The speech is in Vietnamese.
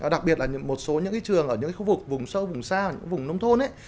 đặc biệt là một số những trường ở những khu vực vùng sâu vùng xa vùng nông thôn